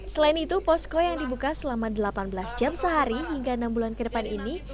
selain itu posko yang dibuka selama delapan belas jam sehari hingga enam bulan ke depan ini